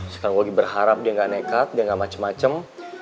sekarang gue lagi berharap dia gak nekat dia gak macem macem